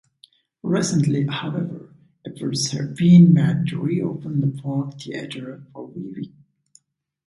Recently; however, efforts have been made to reopen the Park theater for viewing.